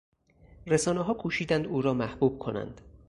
رسانهها کوشیدند او را محبوب کنند.